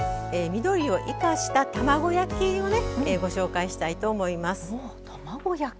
緑を生かした卵焼きをご紹介したいと思います。